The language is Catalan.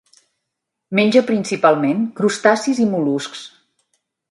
Menja principalment crustacis i mol·luscs.